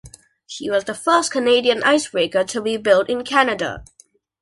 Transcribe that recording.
She was the first Canadian icebreaker to be built in Canada.